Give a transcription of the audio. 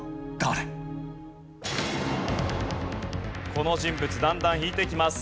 この人物だんだん引いていきます。